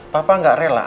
papa gak rela